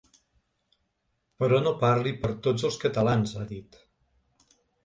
Però no parli per tots els catalans, ha dit.